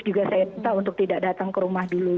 juga saya minta untuk tidak datang ke rumah dulu